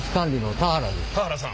田原さん。